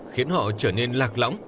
khiến họ trở nên lạc lõng